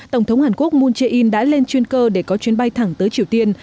tổng thống hàn quốc moon jae in đã lên chuyên cơ để có chuyến bay thẳng tới triều tiên